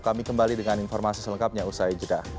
kami kembali dengan informasi selengkapnya usai jeda